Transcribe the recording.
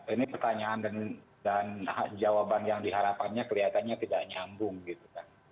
ini pertanyaan dan jawaban yang diharapkannya kelihatannya tidak nyambung gitu kan